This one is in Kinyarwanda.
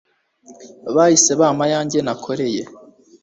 bahise bampa ayanjye nakoreye